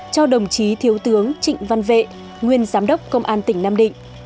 cho đồng chí thiếu tướng trịnh văn vệ nguyên giám đốc công an tỉnh nam định